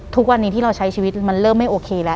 ทุกวันนี้ที่เราใช้ชีวิตมันเริ่มไม่โอเคแล้ว